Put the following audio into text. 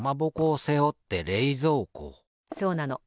そうなの。